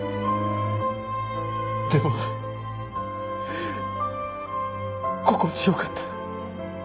でも心地良かった。